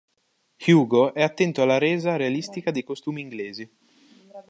Hugo è attento alla resa realistica dei costumi inglesi.